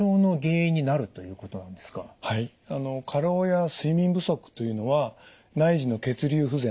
あの過労や睡眠不足というのは内耳の血流不全